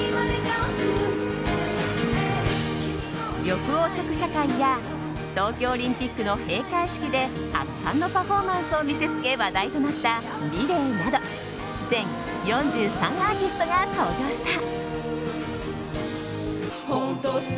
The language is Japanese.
緑黄色社会や東京オリンピックの閉会式で圧巻のパフォーマンスを見せつけ話題となったｍｉｌｅｔなど全４３アーティストが登場した。